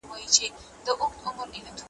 د ملا مسكين پر كور باندي ناورين سو `